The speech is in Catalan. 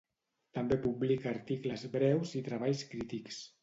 També publica articles breus i treballs crítics.